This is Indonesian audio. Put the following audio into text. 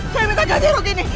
saya minta ganti rugi nih